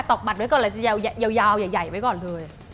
ต่อบัตรไว้ก่อนเลยเกี่ยวอย่างใหญ่ไว้ก่อนเลย